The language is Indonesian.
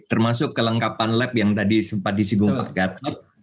termasuk kelengkapan lab yang tadi sempat disinggung pak gatot